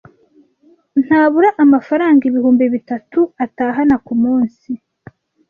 ntabura amafaranga ibihumbi bitatu atahana ku munsi.